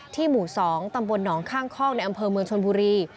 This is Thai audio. หมู่๒ตำบลหนองข้างคอกในอำเภอเมืองชนบุรี